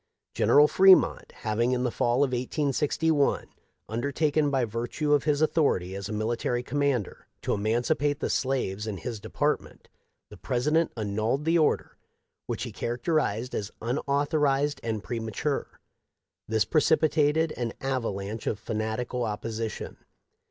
General Fremont having in the fall of 1861 undertaken by virtue of his authority as a military commander to emancipate the slaves in his department, the President annulled the order, which he characterized as unauthorized and premature. This precipitated an avalanche of fanatical opposition.